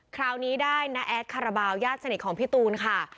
คราวนี้ได้น้าแอดคาราบาลญาติสนิทของพี่ตูนค่ะ